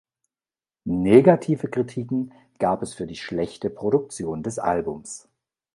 Negative Kritiken gab es für die schlechte Produktion des Albums.